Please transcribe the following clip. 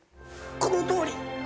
このとおり。